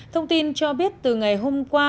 thông tin cho biết từ ngày hôm qua